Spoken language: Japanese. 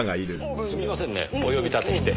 すみませんねぇお呼び立てして。